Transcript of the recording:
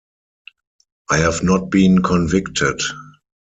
I have not been convicted.